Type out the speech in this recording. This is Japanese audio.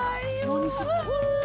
何する？